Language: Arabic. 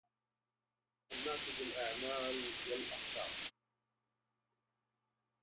الناس بالأعمال والأخلاق